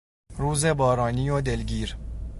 روز بارانی و دلگیر